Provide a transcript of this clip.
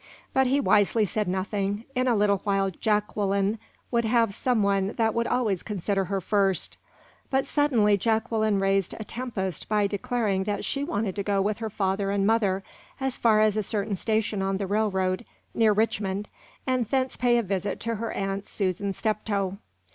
But he wisely said nothing; in a little while Jacqueline would have some one that would always consider her first. But suddenly Jacqueline raised a tempest by declaring that she wanted to go with her father and mother as far as a certain station on the railroad, near Richmond, and thence to pay a visit to her Aunt Susan Steptoe.